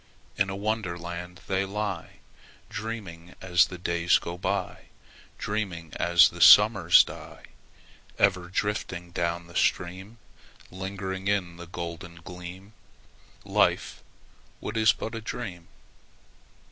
In a Wonderland they lie, Dreaming as the days go by, Dreaming as the summers die: Ever drifting down the stream— Lingering in the golden gleam— Life, what is it but a dream?